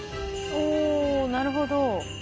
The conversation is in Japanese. おなるほど。